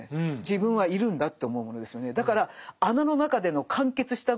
自分はいるんだと思うものですよね。